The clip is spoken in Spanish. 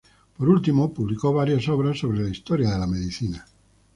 Por último, publicó varias obras sobre la historia de la medicina.